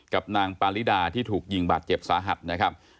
กับนางปาริดาที่ถูกยิงบาดเจ็บสาหัสนะครับ